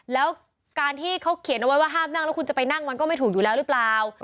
แล้วการที่เขาเขียนเอาไว้ว่าห้ามนั่งแล้วคุณจะไปนั่งมันก็ไม่ถูกอยู่แล้วหรือเปล่า